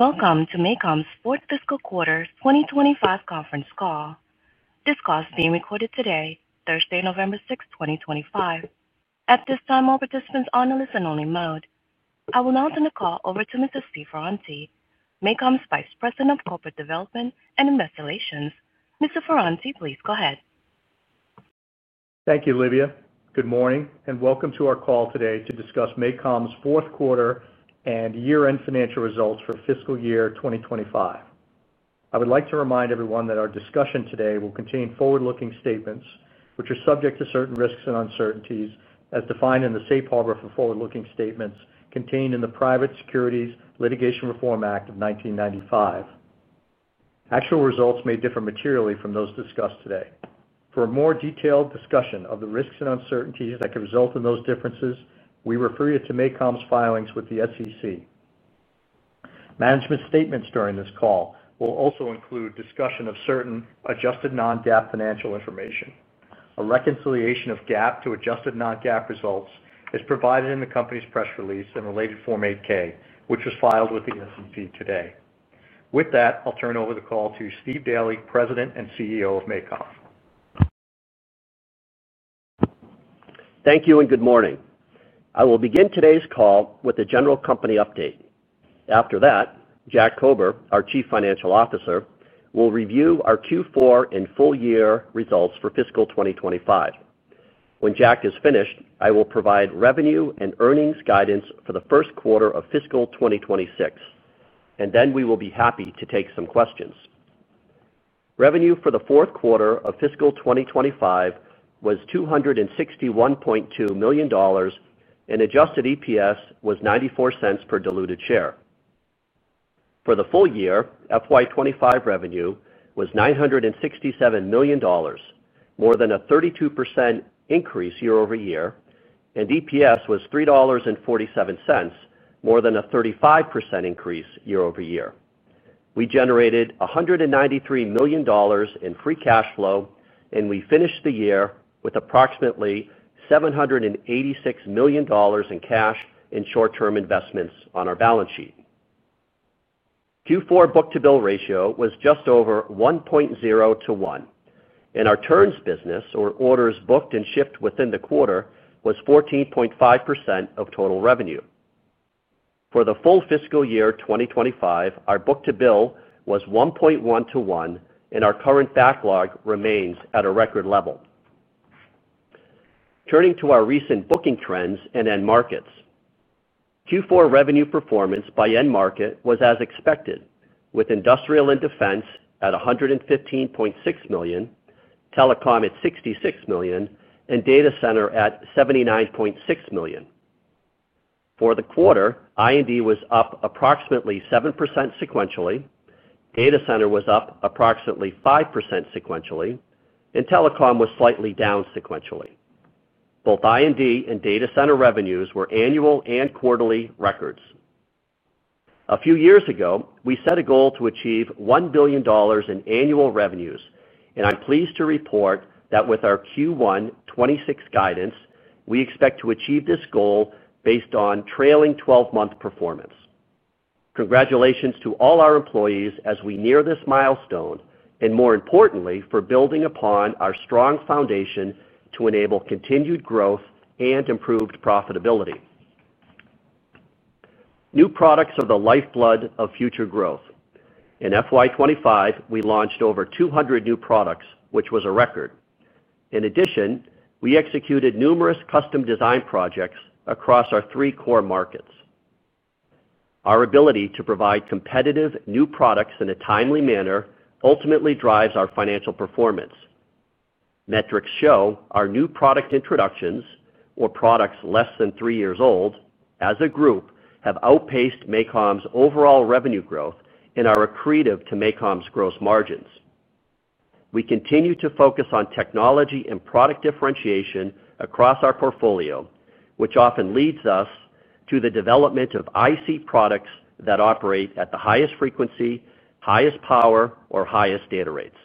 Welcome to MACOM's fourth fiscal quarter 2025 conference call. This call is being recorded today, Thursday, November 6, 2025. At this time, all participants are on the listen-only mode. I will now turn the call over to Mr. Stephen Ferranti, MACOM's Vice President of Corporate Development and Investor Relations. Mr. Ferranti, please go ahead. Thank you, Livia. Good morning and welcome to our call today to discuss MACOM's fourth quarter and year-end financial results for fiscal year 2025. I would like to remind everyone that our discussion today will contain forward-looking statements, which are subject to certain risks and uncertainties, as defined in the Safe Harbor for Forward-Looking Statements contained in the Private Securities Litigation Reform Act of 1995. Actual results may differ materially from those discussed today. For a more detailed discussion of the risks and uncertainties that could result in those differences, we refer you to MACOM's filings with the SEC. Management statements during this call will also include discussion of certain adjusted non-GAAP financial information. A reconciliation of GAAP to adjusted non-GAAP results is provided in the company's press release and related Form 8-K, which was filed with the SEC today. With that, I'll turn over the call to Steve Daly, President and CEO of MACOM. Thank you and good morning. I will begin today's call with a general company update. After that, Jack Kober, our Chief Financial Officer, will review our Q4 and full-year results for fiscal 2025. When Jack is finished, I will provide revenue and earnings guidance for the first quarter of fiscal 2026. We will be happy to take some questions. Revenue for the fourth quarter of fiscal 2025 was $261.2 million. Adjusted EPS was $0.94 per diluted share. For the full year, FY25 revenue was $967 million, more than a 32% increase year over year, and EPS was $3.47, more than a 35% increase year over year. We generated $193 million in free cash flow, and we finished the year with approximately $786 million in cash and short-term investments on our balance sheet. Q4 book-to-bill ratio was just over 1.0-1, and our turns business, or orders booked and shipped within the quarter, was 14.5% of total revenue. For the full fiscal year 2025, our book-to-bill was 1.1-1, and our current backlog remains at a record level. Turning to our recent booking trends and end markets. Q4 revenue performance by end market was as expected, with industrial and defense at $115.6 million, telecom at $66 million, and data center at $79.6 million. For the quarter, [IND] was up approximately 7% sequentially, data center was up approximately 5% sequentially, and telecom was slightly down sequentially. Both [IND] and data center revenues were annual and quarterly records. A few years ago, we set a goal to achieve $1 billion in annual revenues, and I'm pleased to report that with our Q1 2026 guidance, we expect to achieve this goal based on trailing 12-month performance. Congratulations to all our employees as we near this milestone and, more importantly, for building upon our strong foundation to enable continued growth and improved profitability. New products are the lifeblood of future growth. In fiscal year 2025, we launched over 200 new products, which was a record. In addition, we executed numerous custom-design projects across our three core markets. Our ability to provide competitive new products in a timely manner ultimately drives our financial performance. Metrics show our new product introductions, or products less than three years old, as a group have outpaced MACOM's overall revenue growth and are accretive to MACOM's gross margins. We continue to focus on technology and product differentiation across our portfolio, which often leads us to the development of IC products that operate at the highest frequency, highest power, or highest data rates.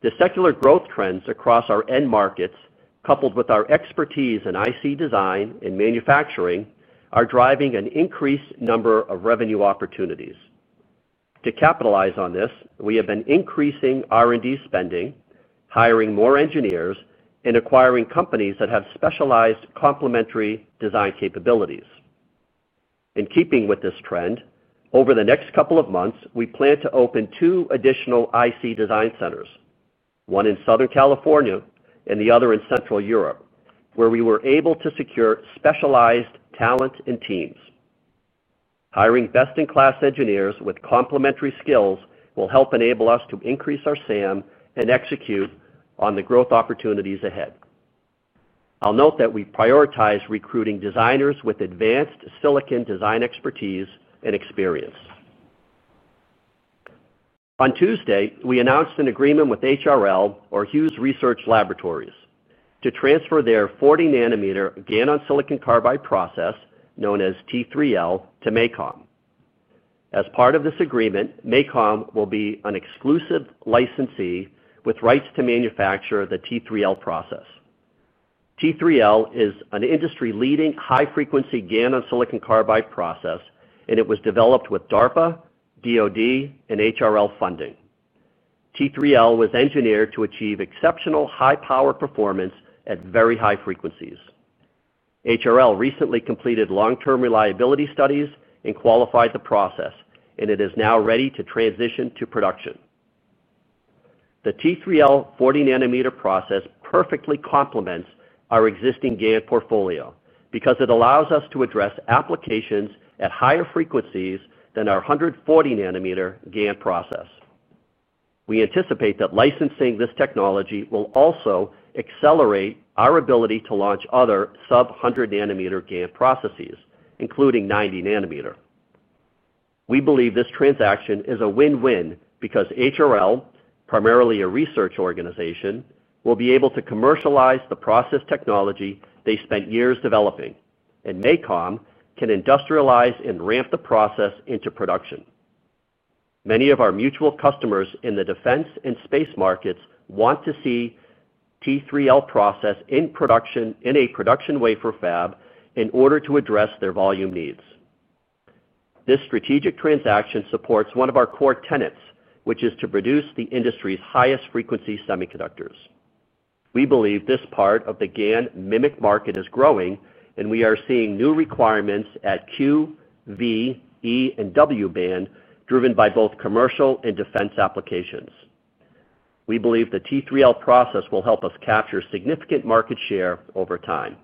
The secular growth trends across our end markets, coupled with our expertise in IC design and manufacturing, are driving an increased number of revenue opportunities. To capitalize on this, we have been increasing R&D spending, hiring more engineers, and acquiring companies that have specialized complementary design capabilities. In keeping with this trend, over the next couple of months, we plan to open two additional IC design centers, one in Southern California and the other in Central Europe, where we were able to secure specialized talent and teams. Hiring best-in-class engineers with complementary skills will help enable us to increase our SAM and execute on the growth opportunities ahead. I'll note that we prioritize recruiting designers with advanced silicon design expertise and experience. On Tuesday, we announced an agreement with HRL, or Hughes Research Laboratories, to transfer their 40-nanometer GaN on silicon carbide process, known as T3L, to MACOM. As part of this agreement, MACOM will be an exclusive licensee with rights to manufacture the T3L process. T3L is an industry-leading high-frequency GaN on silicon carbide process, and it was developed with DARPA, DOD, and HRL funding. T3L was engineered to achieve exceptional high-power performance at very high frequencies. HRL recently completed long-term reliability studies and qualified the process, and it is now ready to transition to production. The T3L 40-nanometer process perfectly complements our existing GaN portfolio because it allows us to address applications at higher frequencies than our 140-nanometer GaN process. We anticipate that licensing this technology will also accelerate our ability to launch other sub-100-nanometer GaN processes, including 90-nanometer. We believe this transaction is a win-win because HRL, primarily a research organization, will be able to commercialize the process technology they spent years developing, and MACOM can industrialize and ramp the process into production. Many of our mutual customers in the defense and space markets want to see the T3L process in production in a production wafer fab in order to address their volume needs. This strategic transaction supports one of our core tenets, which is to produce the industry's highest-frequency semiconductors. We believe this part of the GaN MMIC market is growing, and we are seeing new requirements at Q, V, E, and W band driven by both commercial and defense applications. We believe the T3L process will help us capture significant market share over time.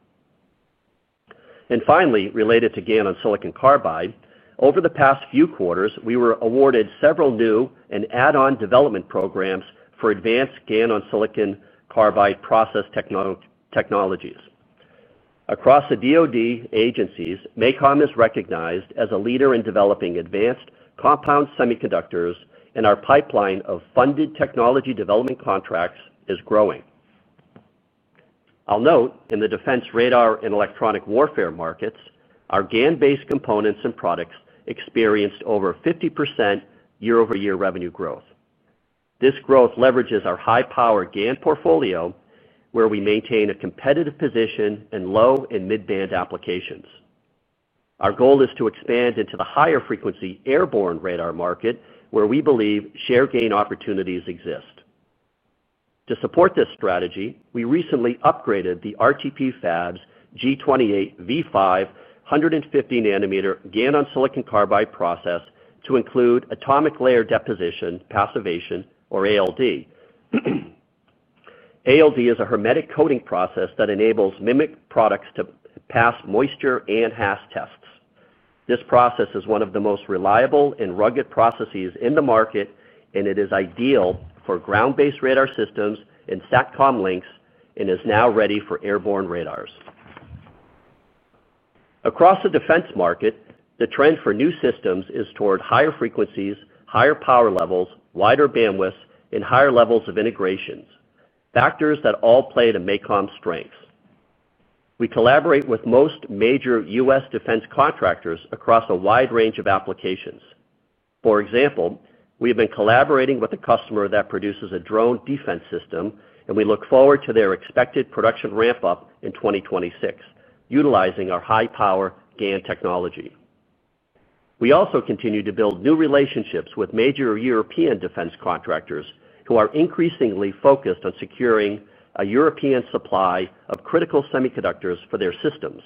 Finally, related to GaN on silicon carbide, over the past few quarters, we were awarded several new and add-on development programs for advanced GaN on silicon carbide process technologies. Across the DOD agencies, MACOM is recognized as a leader in developing advanced compound semiconductors, and our pipeline of funded technology development contracts is growing. I'll note in the defense, radar, and electronic warfare markets, our GaN-based components and products experienced over 50% year-over-year revenue growth. This growth leverages our high-power GaN portfolio, where we maintain a competitive position in low and mid-band applications. Our goal is to expand into the higher-frequency airborne radar market, where we believe share gain opportunities exist. To support this strategy, we recently upgraded the RTP Fab's G28V5 150-nanometer GaN on silicon carbide process to include atomic layer deposition passivation, or ALD. ALD is a hermetic coating process that enables MMIC products to pass moisture and HASS tests. This process is one of the most reliable and rugged processes in the market, and it is ideal for ground-based radar systems and SATCOM links and is now ready for airborne radars. Across the defense market, the trend for new systems is toward higher frequencies, higher power levels, wider bandwidths, and higher levels of integration, factors that all play to MACOM's strengths. We collaborate with most major U.S. defense contractors across a wide range of applications. For example, we have been collaborating with a customer that produces a drone defense system, and we look forward to their expected production ramp-up in 2026, utilizing our high-power GaN technology. We also continue to build new relationships with major European defense contractors who are increasingly focused on securing a European supply of critical semiconductors for their systems.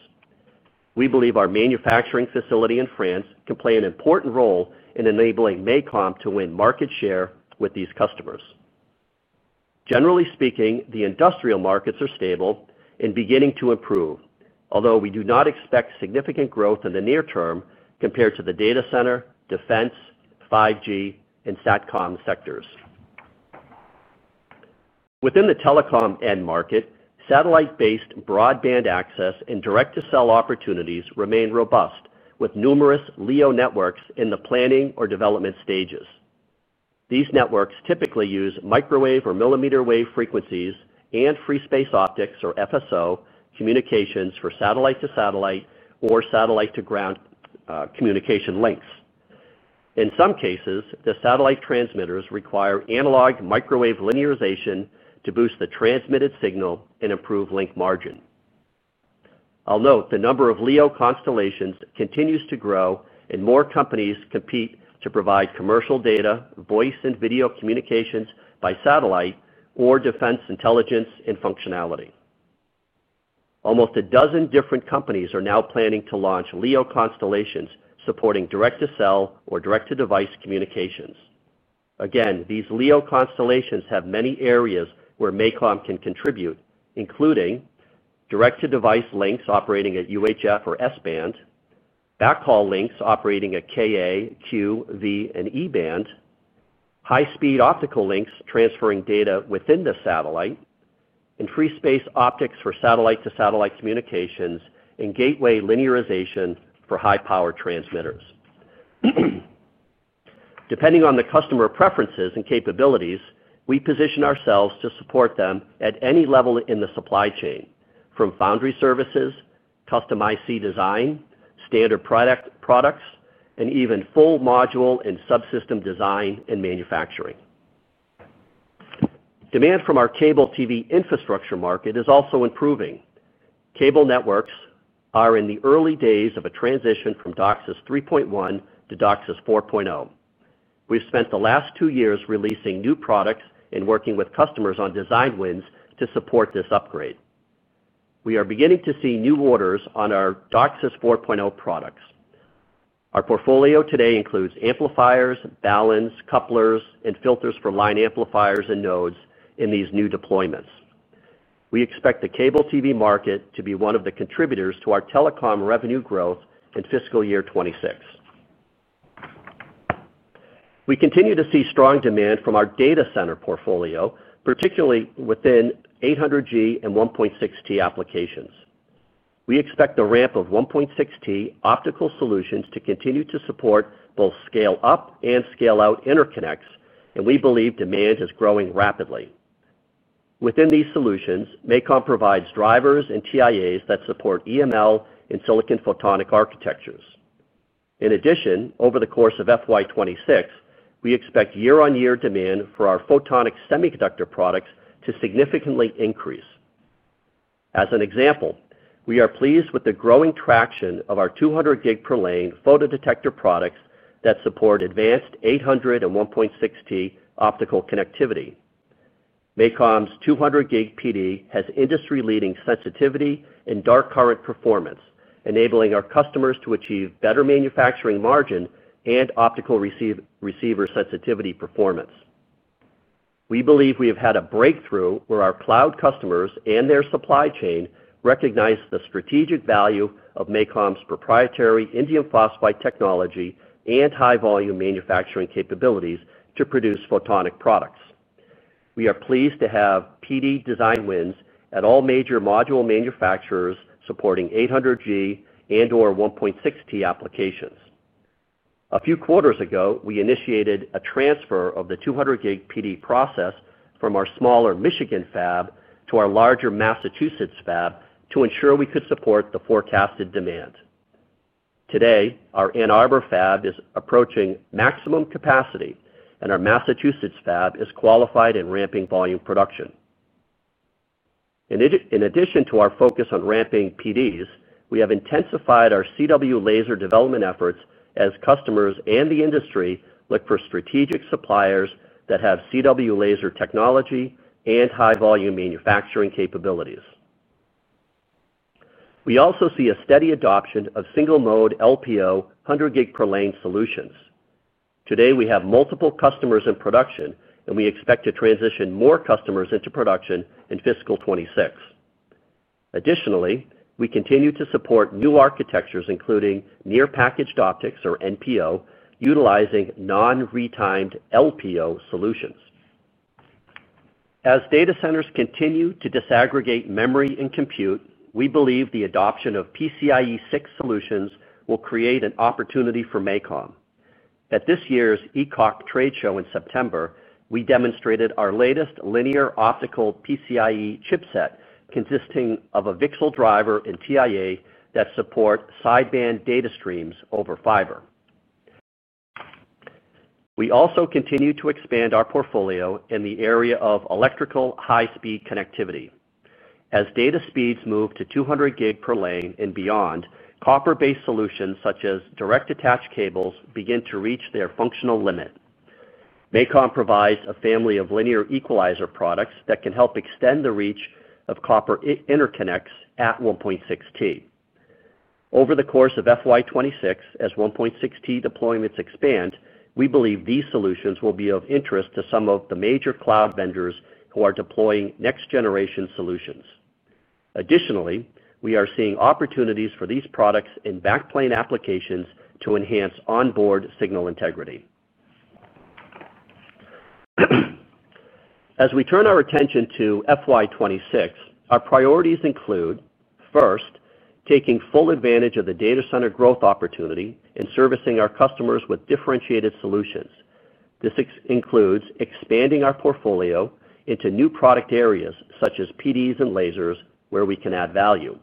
We believe our manufacturing facility in France can play an important role in enabling MACOM to win market share with these customers. Generally speaking, the industrial markets are stable and beginning to improve, although we do not expect significant growth in the near term compared to the data center, defense, 5G, and SATCOM sectors. Within the telecom end market, satellite-based broadband access and direct-to-cell opportunities remain robust, with numerous LEO networks in the planning or development stages. These networks typically use microwave or millimeter wave frequencies and free space optics, or FSO, communications for satellite-to-satellite or satellite-to-ground communication links. In some cases, the satellite transmitters require analog microwave linearization to boost the transmitted signal and improve link margin. I'll note the number of LEO constellations continues to grow, and more companies compete to provide commercial data, voice and video communications by satellite, or defense intelligence and functionality. Almost a dozen different companies are now planning to launch LEO constellations supporting direct-to-cell or direct-to-device communications. Again, these LEO constellations have many areas where MACOM can contribute, including direct-to-device links operating at UHF or S-band, backhaul links operating at Ka, Q, V, and E-band, high-speed optical links transferring data within the satellite, and free space optics for satellite-to-satellite communications and gateway linearization for high-power transmitters. Depending on the customer preferences and capabilities, we position ourselves to support them at any level in the supply chain, from foundry services, custom IC design, standard products, and even full module and subsystem design and manufacturing. Demand from our cable TV infrastructure market is also improving. Cable networks are in the early days of a transition from DOCSIS 3.1 to DOCSIS 4.0. We've spent the last two years releasing new products and working with customers on design wins to support this upgrade. We are beginning to see new orders on our DOCSIS 4.0 products. Our portfolio today includes amplifiers, baluns, couplers, and filters for line amplifiers and nodes in these new deployments. We expect the cable TV market to be one of the contributors to our telecom revenue growth in fiscal year 2026. We continue to see strong demand from our data center portfolio, particularly within 800G and 1.6T applications. We expect the ramp of 1.6T optical solutions to continue to support both scale-up and scale-out interconnects, and we believe demand is growing rapidly. Within these solutions, MACOM provides drivers and TIAs that support EML and silicon photonic architectures. In addition, over the course of fiscal year 2026, we expect year-on-year demand for our photonic semiconductor products to significantly increase. As an example, we are pleased with the growing traction of our 200 gig per lane photodetector products that support advanced 800 and 1.6T optical connectivity. MACOM's 200 gig PD has industry-leading sensitivity and dark current performance, enabling our customers to achieve better manufacturing margin and optical receiver sensitivity performance. We believe we have had a breakthrough where our cloud customers and their supply chain recognize the strategic value of MACOM's proprietary indium phosphide technology and high-volume manufacturing capabilities to produce photonic products. We are pleased to have PD design wins at all major module manufacturers supporting 800G and/or 1.6T applications. A few quarters ago, we initiated a transfer of the 200 gig PD process from our smaller Michigan fab to our larger Massachusetts fab to ensure we could support the forecasted demand. Today, our Ann Arbor fab is approaching maximum capacity, and our Massachusetts fab is qualified and ramping volume production. In addition to our focus on ramping PDs, we have intensified our CW laser development efforts as customers and the industry look for strategic suppliers that have CW laser technology and high-volume manufacturing capabilities. We also see a steady adoption of single-mode LPO 100 gig per lane solutions. Today, we have multiple customers in production, and we expect to transition more customers into production in fiscal 2026. Additionally, we continue to support new architectures, including near-packaged optics, or NPO, utilizing non-retimed LPO solutions. As data centers continue to disaggregate memory and compute, we believe the adoption of PCIe 6 solutions will create an opportunity for MACOM. At this year's ECOC trade show in September, we demonstrated our latest linear optical PCIe chipset consisting of a Vixel driver and TIA that support sideband data streams over fiber. We also continue to expand our portfolio in the area of electrical high-speed connectivity. As data speeds move to 200 gig per lane and beyond, copper-based solutions such as direct-attached cables begin to reach their functional limit. MACOM provides a family of linear equalizer products that can help extend the reach of copper interconnects at 1.6T. Over the course of FY2026, as 1.6T deployments expand, we believe these solutions will be of interest to some of the major cloud vendors who are deploying next-generation solutions. Additionally, we are seeing opportunities for these products in backplane applications to enhance onboard signal integrity. As we turn our attention to FY2026, our priorities include, first, taking full advantage of the data center growth opportunity and servicing our customers with differentiated solutions. This includes expanding our portfolio into new product areas such as PDs and lasers, where we can add value.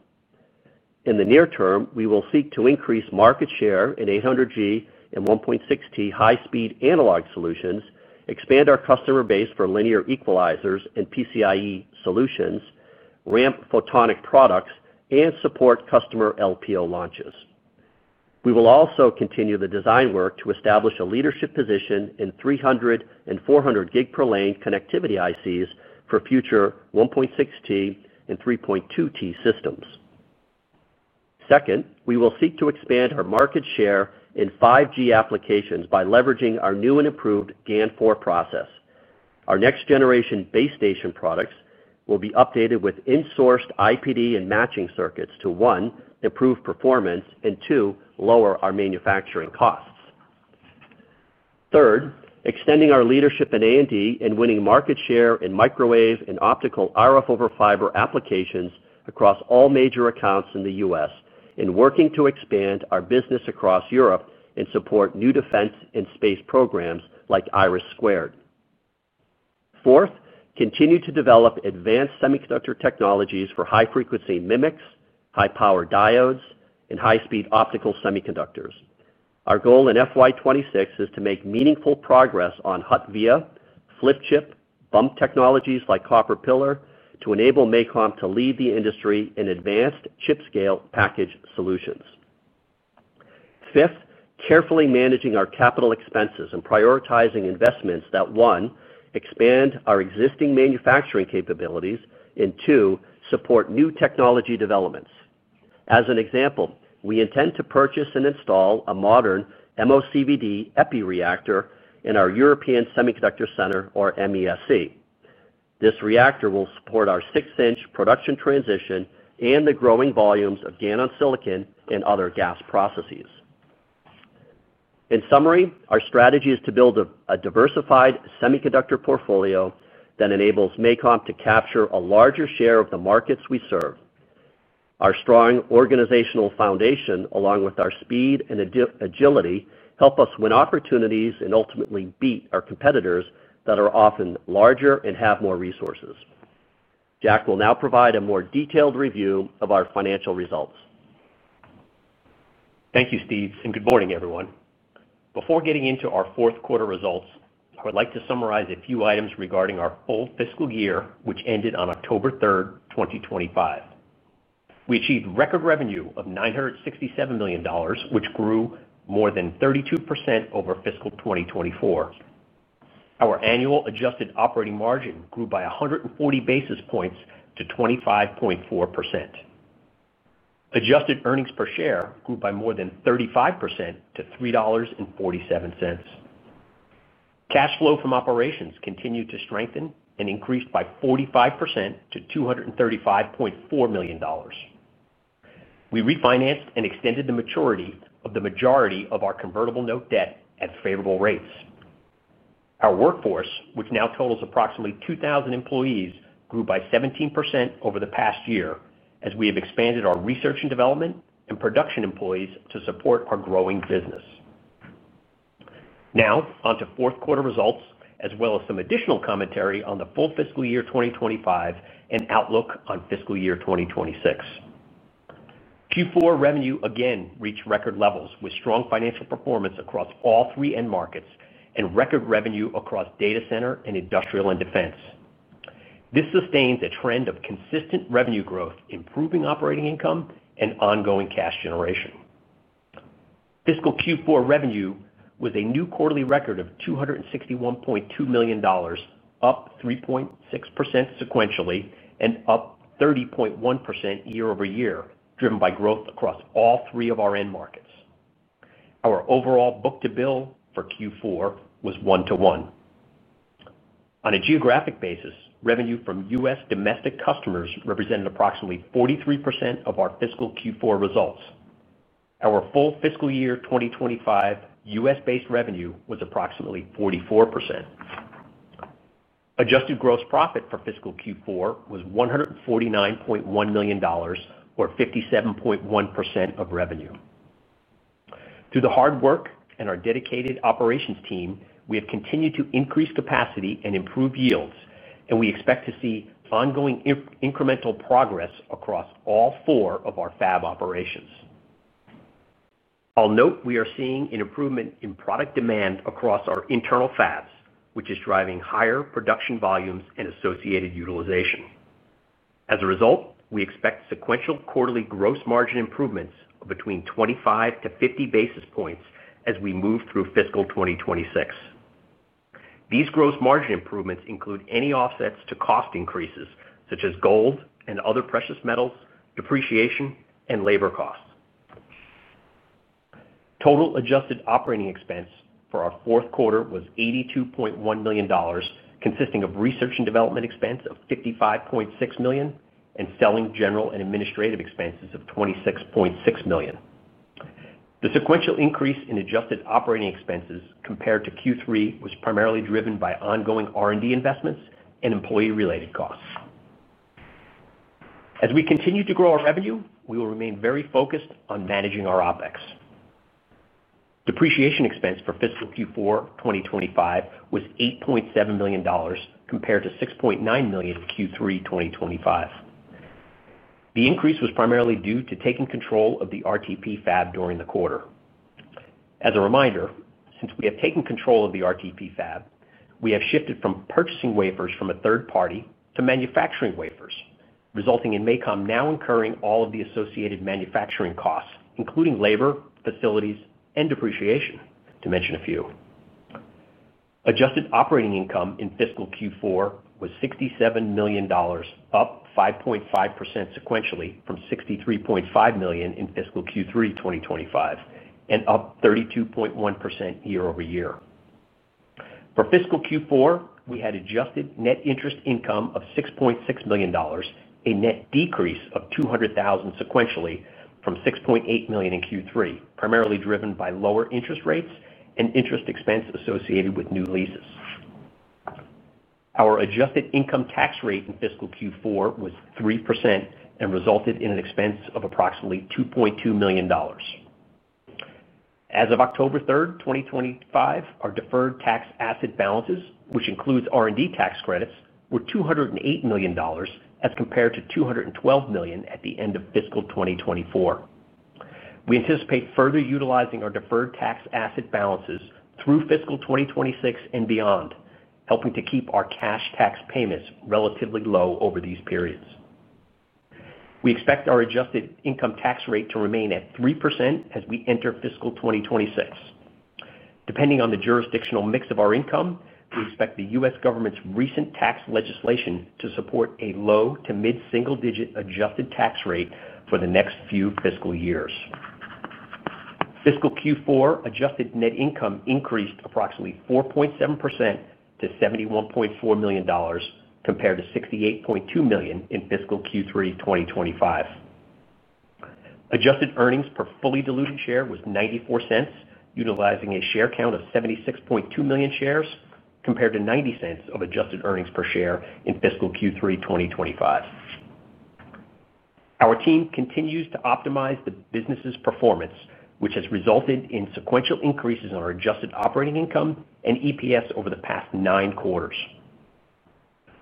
In the near term, we will seek to increase market share in 800G and 1.6T high-speed analog solutions, expand our customer base for linear equalizers and PCIe solutions, ramp photonic products, and support customer LPO launches. We will also continue the design work to establish a leadership position in 300 and 400 gig per lane connectivity ICs for future 1.6T and 3.2T systems. Second, we will seek to expand our market share in 5G applications by leveraging our new and improved GaN 4 process. Our next-generation base station products will be updated with insourced IPD and matching circuits to, one, improve performance and, two, lower our manufacturing costs. Third, extending our leadership in A&D and winning market share in microwave and optical RF over fiber applications across all major accounts in the U.S. and working to expand our business across Europe and support new defense and space programs like IRIS2. Fourth, continue to develop advanced semiconductor technologies for high-frequency mimics, high-power diodes, and high-speed optical semiconductors. Our goal in FY2026 is to make meaningful progress on [HUT VIA], FLIP chip, BUMP technologies like Copper Pillar to enable MACOM to lead the industry in advanced chip-scale package solutions. Fifth, carefully managing our capital expenses and prioritizing investments that, one, expand our existing manufacturing capabilities and, two, support new technology developments. As an example, we intend to purchase and install a modern MOCVD EPI reactor in our European Semiconductor Center, or MESC. This reactor will support our six-inch production transition and the growing volumes of GaN on silicon and other GaN processes. In summary, our strategy is to build a diversified semiconductor portfolio that enables MACOM to capture a larger share of the markets we serve. Our strong organizational foundation, along with our speed and agility, help us win opportunities and ultimately beat our competitors that are often larger and have more resources. Jack will now provide a more detailed review of our financial results. Thank you, Steve, and good morning, everyone. Before getting into our fourth quarter results, I would like to summarize a few items regarding our full fiscal year, which ended on October 3, 2025. We achieved record revenue of $967 million, which grew more than 32% over fiscal 2024. Our annual adjusted operating margin grew by 140 basis points to 25.4%. Adjusted earnings per share grew by more than 35% to $3.47. Cash flow from operations continued to strengthen and increased by 45% to $235.4 million. We refinanced and extended the maturity of the majority of our convertible note debt at favorable rates. Our workforce, which now totals approximately 2,000 employees, grew by 17% over the past year as we have expanded our research and development and production employees to support our growing business. Now, on to fourth quarter results, as well as some additional commentary on the full fiscal year 2025 and outlook on fiscal year 2026. Q4 revenue again reached record levels with strong financial performance across all three end markets and record revenue across data center and industrial and defense. This sustains a trend of consistent revenue growth, improving operating income and ongoing cash generation. Fiscal Q4 revenue was a new quarterly record of $261.2 million, up 3.6% sequentially and up 30.1% year over year, driven by growth across all three of our end markets. Our overall book-to-bill for Q4 was one to one. On a geographic basis, revenue from U.S. domestic customers represented approximately 43% of our fiscal Q4 results. Our full fiscal year 2025 U.S.-based revenue was approximately 44%. Adjusted gross profit for fiscal Q4 was $149.1 million, or 57.1% of revenue. Through the hard work and our dedicated operations team, we have continued to increase capacity and improve yields, and we expect to see ongoing incremental progress across all four of our fab operations. I'll note we are seeing an improvement in product demand across our internal fabs, which is driving higher production volumes and associated utilization. As a result, we expect sequential quarterly gross margin improvements of between 25-50 basis points as we move through fiscal 2026. These gross margin improvements include any offsets to cost increases such as gold and other precious metals, depreciation, and labor costs. Total adjusted operating expense for our fourth quarter was $82.1 million, consisting of research and development expense of $55.6 million and selling general and administrative expenses of $26.6 million. The sequential increase in adjusted operating expenses compared to Q3 was primarily driven by ongoing R&D investments and employee-related costs. As we continue to grow our revenue, we will remain very focused on managing our OpEx. Depreciation expense for fiscal Q4 2025 was $8.7 million compared to $6.9 million in Q3 2025. The increase was primarily due to taking control of the RTP fab during the quarter. As a reminder, since we have taken control of the RTP fab, we have shifted from purchasing wafers from a third party to manufacturing wafers, resulting in MACOM now incurring all of the associated manufacturing costs, including labor, facilities, and depreciation, to mention a few. Adjusted operating income in fiscal Q4 was $67 million, up 5.5% sequentially from $63.5 million in fiscal Q3 2025 and up 32.1% year over year. For fiscal Q4, we had adjusted net interest income of $6.6 million, a net decrease of $200,000 sequentially from $6.8 million in Q3, primarily driven by lower interest rates and interest expense associated with new leases. Our adjusted income tax rate in fiscal Q4 was 3% and resulted in an expense of approximately $2.2 million. As of October 3rd, 2025, our deferred tax asset balances, which includes R&D tax credits, were $208 million as compared to $212 million at the end of fiscal 2024. We anticipate further utilizing our deferred tax asset balances through fiscal 2026 and beyond, helping to keep our cash tax payments relatively low over these periods. We expect our adjusted income tax rate to remain at 3% as we enter fiscal 2026. Depending on the jurisdictional mix of our income, we expect the U.S. government's recent tax legislation to support a low to mid-single-digit adjusted tax rate for the next few fiscal years. Fiscal Q4 adjusted net income increased approximately 4.7% to $71.4 million compared to $68.2 million in fiscal Q3 2025. Adjusted earnings per fully diluted share was $0.94, utilizing a share count of 76.2 million shares compared to $0.90 of adjusted earnings per share in fiscal Q3 2025. Our team continues to optimize the business's performance, which has resulted in sequential increases in our adjusted operating income and EPS over the past nine quarters.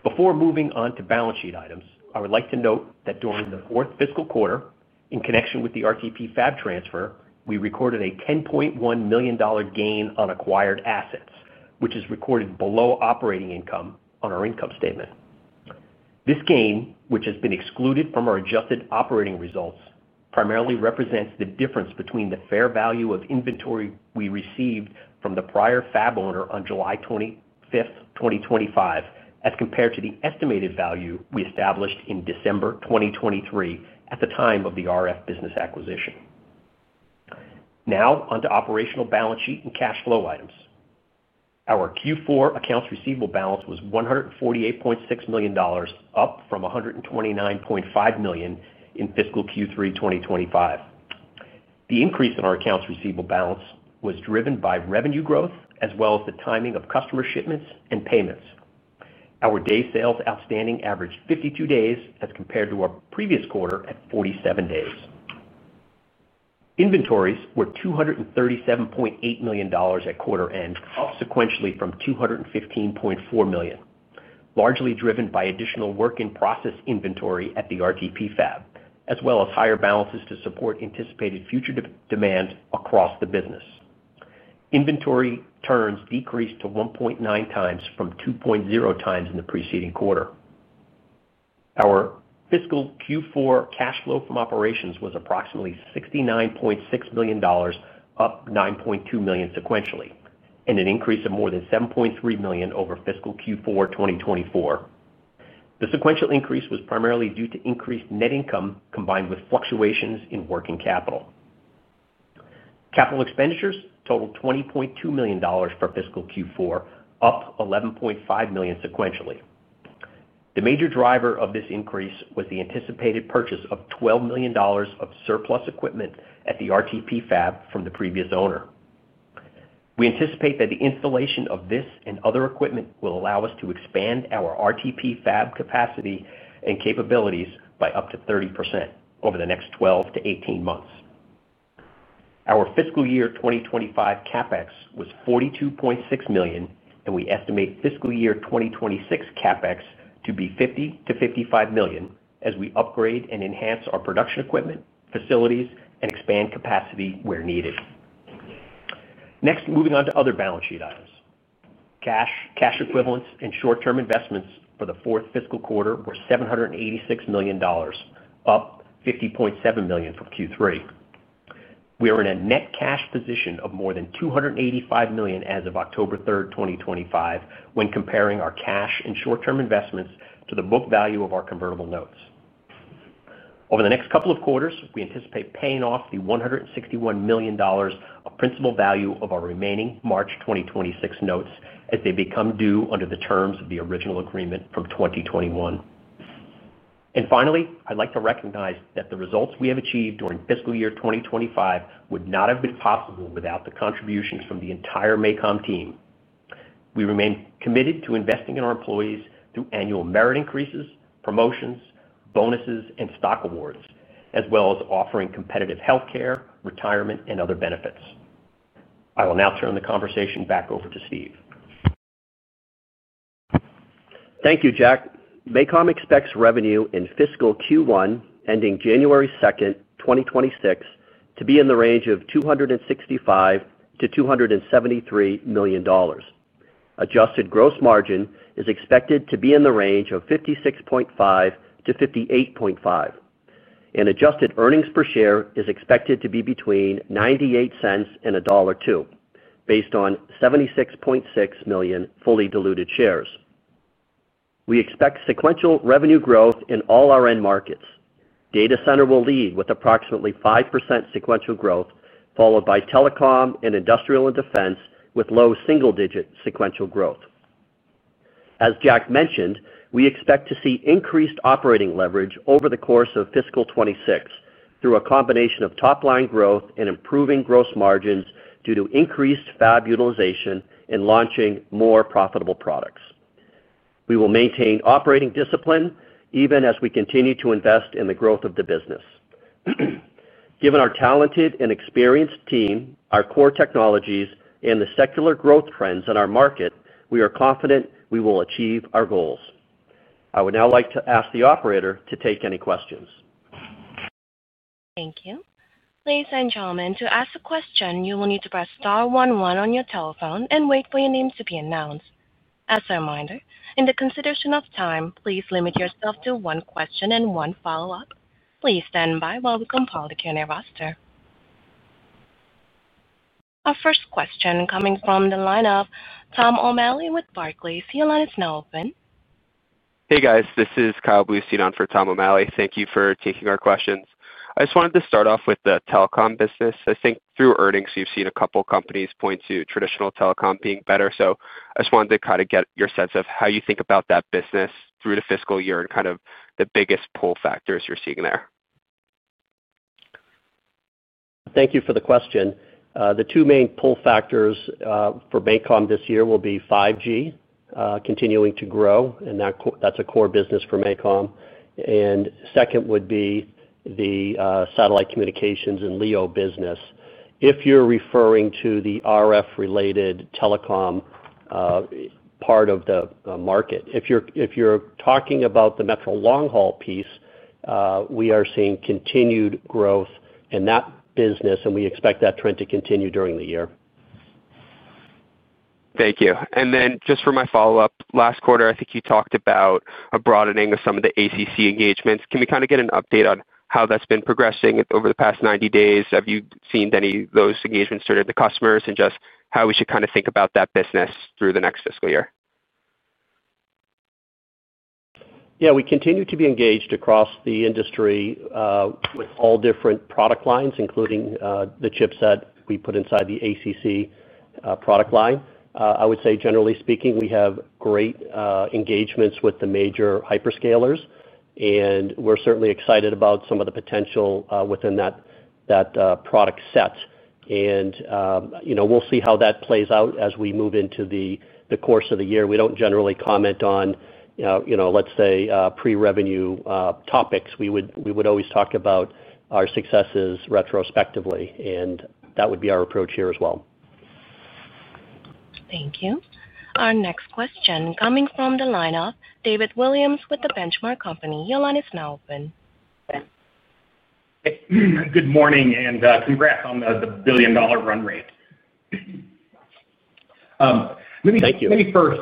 Before moving on to balance sheet items, I would like to note that during the fourth fiscal quarter, in connection with the RTP fab transfer, we recorded a $10.1 million gain on acquired assets, which is recorded below operating income on our income statement. This gain, which has been excluded from our adjusted operating results, primarily represents the difference between the fair value of inventory we received from the prior fab owner on July 25th, 2025, as compared to the estimated value we established in December 2023 at the time of the RF business acquisition. Now, on to operational balance sheet and cash flow items. Our Q4 accounts receivable balance was $148.6 million, up from $129.5 million in fiscal Q3 2025. The increase in our accounts receivable balance was driven by revenue growth as well as the timing of customer shipments and payments. Our day sales outstanding averaged 52 days as compared to our previous quarter at 47 days. Inventories were $237.8 million at quarter end, up sequentially from $215.4 million, largely driven by additional work-in-process inventory at the RTP fab, as well as higher balances to support anticipated future demand across the business. Inventory turns decreased to 1.9 times from 2.0 times in the preceding quarter. Our fiscal Q4 cash flow from operations was approximately $69.6 million, up $9.2 million sequentially, and an increase of more than $7.3 million over fiscal Q4 2024. The sequential increase was primarily due to increased net income combined with fluctuations in working capital. Capital expenditures totaled $20.2 million for fiscal Q4, up $11.5 million sequentially. The major driver of this increase was the anticipated purchase of $12 million of surplus equipment at the RTP fab from the previous owner. We anticipate that the installation of this and other equipment will allow us to expand our RTP fab capacity and capabilities by up to 30% over the next 12-18 months. Our fiscal year 2025 CapEx was $42.6 million, and we estimate fiscal year 2026 CapEx to be $50-$55 million as we upgrade and enhance our production equipment, facilities, and expand capacity where needed. Next, moving on to other balance sheet items. Cash, cash equivalents, and short-term investments for the fourth fiscal quarter were $786 million, up $50.7 million from Q3. We are in a net cash position of more than $285 million as of October 3, 2025, when comparing our cash and short-term investments to the book value of our convertible notes. Over the next couple of quarters, we anticipate paying off the $161 million of principal value of our remaining March 2026 notes as they become due under the terms of the original agreement from 2021. Finally, I'd like to recognize that the results we have achieved during fiscal year 2025 would not have been possible without the contributions from the entire MACOM team. We remain committed to investing in our employees through annual merit increases, promotions, bonuses, and stock awards, as well as offering competitive healthcare, retirement, and other benefits. I will now turn the conversation back over to Steve. Thank you, Jack. MACOM expects revenue in fiscal Q1 ending January 2, 2026, to be in the range of $265 million-$273 million. Adjusted gross margin is expected to be in the range of $56.5 million-$58.5 million. Adjusted earnings per share is expected to be between $0.98 and $1.02, based on 76.6 million fully diluted shares. We expect sequential revenue growth in all our end markets. Data center will lead with approximately 5% sequential growth, followed by telecom and industrial and defense with low single-digit sequential growth. As Jack mentioned, we expect to see increased operating leverage over the course of fiscal 2026 through a combination of top-line growth and improving gross margins due to increased fab utilization and launching more profitable products. We will maintain operating discipline even as we continue to invest in the growth of the business. Given our talented and experienced team, our core technologies, and the secular growth trends in our market, we are confident we will achieve our goals. I would now like to ask the operator to take any questions. Thank you. Ladies and gentlemen, to ask a question, you will need to press star one one on your telephone and wait for your names to be announced. As a reminder, in the consideration of time, please limit yourself to one question and one follow-up. Please stand by while we compile the Q&A roster. Our first question coming from the line of Tom O'Malley with Barclays. Your line is now open. Hey, guys. This is Kyle Blues sitting on for Tom O'Malley. Thank you for taking our questions. I just wanted to start off with the telecom business. I think through earnings, we've seen a couple of companies point to traditional telecom being better. I just wanted to kind of get your sense of how you think about that business through the fiscal year and kind of the biggest pull factors you're seeing there. Thank you for the question. The two main pull factors for MACOM this year will be 5G, continuing to grow, and that's a core business for MACOM. Second would be the satellite communications and LEO business. If you're referring to the RF-related telecom part of the market, if you're talking about the metro long-haul piece, we are seeing continued growth in that business, and we expect that trend to continue during the year. Thank you. For my follow-up, last quarter, I think you talked about a broadening of some of the ACC engagements. Can we kind of get an update on how that's been progressing over the past 90 days? Have you seen any of those engagements through to the customers and just how we should kind of think about that business through the next fiscal year? Yeah. We continue to be engaged across the industry with all different product lines, including the chipset we put inside the ACC product line. I would say, generally speaking, we have great engagements with the major hyperscalers, and we are certainly excited about some of the potential within that product set. We will see how that plays out as we move into the course of the year. We do not generally comment on, let's say, pre-revenue topics. We would always talk about our successes retrospectively, and that would be our approach here as well. Thank you. Our next question coming from the line of David Williams with The Benchmark Company. Your line is now open. Good morning and congrats on the billion-dollar run rate. Let me first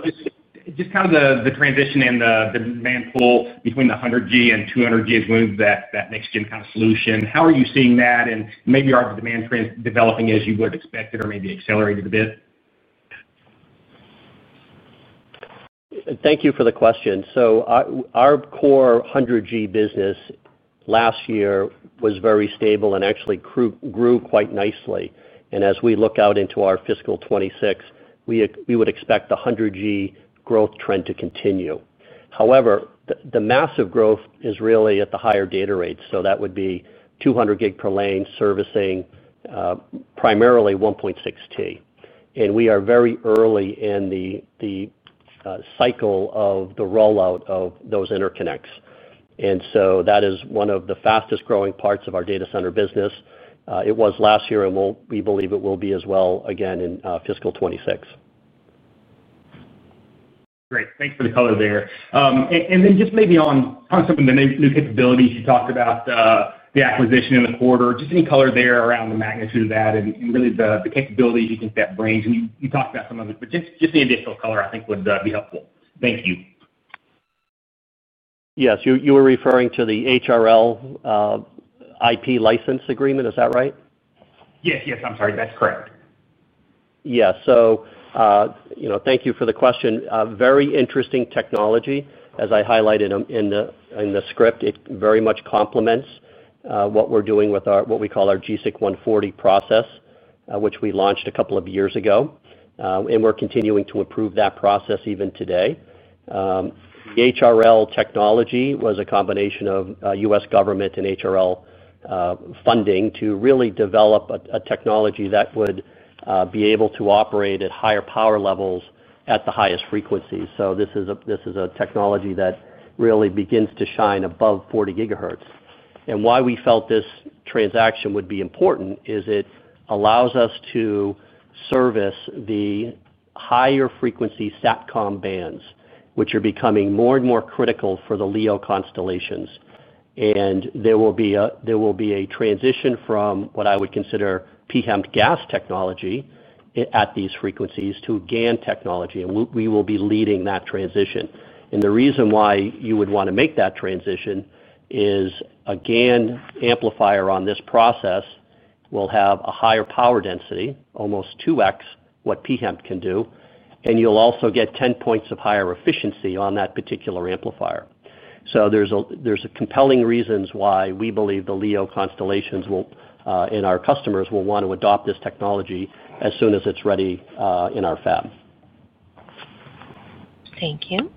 just kind of the transition and the demand pool between the 100G and 200G as well as that next-gen kind of solution. How are you seeing that? Maybe are the demand trends developing as you would have expected or maybe accelerated a bit? Thank you for the question. Our core 100G business last year was very stable and actually grew quite nicely. As we look out into our fiscal 2026, we would expect the 100G growth trend to continue. However, the massive growth is really at the higher data rates. That would be 200 gig per lane servicing primarily 1.6T. We are very early in the cycle of the rollout of those interconnects, and that is one of the fastest-growing parts of our data center business. It was last year, and we believe it will be as well again in fiscal 2026. Great. Thanks for the color there. Just maybe on some of the new capabilities you talked about, the acquisition in the quarter, any color there around the magnitude of that and really the capabilities you think that brings. You talked about some of it, but the additional color I think would be helpful. Thank you. Yes. You were referring to the HRL IP license agreement. Is that right? Yes. Yes. I'm sorry. That's correct. Yeah. Thank you for the question. Very interesting technology. As I highlighted in the script, it very much complements what we're doing with what we call our GSIC 140 process, which we launched a couple of years ago, and we're continuing to improve that process even today. The HRL technology was a combination of U.S. government and HRL. Funding to really develop a technology that would be able to operate at higher power levels at the highest frequencies. This is a technology that really begins to shine above 40 GHz. Why we felt this transaction would be important is it allows us to service the higher-frequency SATCOM bands, which are becoming more and more critical for the LEO constellations. There will be a transition from what I would consider PHEMT GaAs technology at these frequencies to GaN technology. We will be leading that transition. The reason why you would want to make that transition is a GaN amplifier on this process will have a higher power density, almost 2X what PHEMT can do. You will also get 10 points of higher efficiency on that particular amplifier. There are compelling reasons why we believe the LEO constellations and our customers will want to adopt this technology as soon as it is ready in our fab. Thank you.